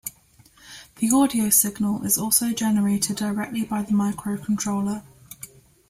The audio signal is also generated directly by the microcontroller.